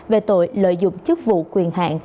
về tội lợi dụng chức vụ quyền hạn